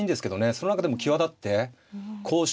その中でも際立って攻守にね